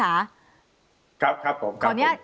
ครับครับผม